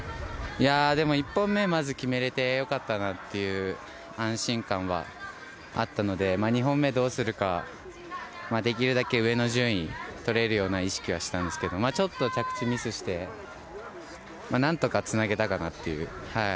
いやー、でも１本目まず決めれて、よかったなっていう安心感はあったので、２本目どうするか、できるだけ上の順位、とれるような意識はしたんですけど、ちょっと着地ミスして、なんとかつなげたかなっていう。